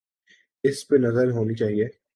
اس پہ نظر ہونی چاہیے۔